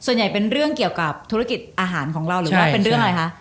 เป็นเรื่องเกี่ยวกับธุรกิจอาหารของเราหรือว่าเป็นเรื่องอะไรคะ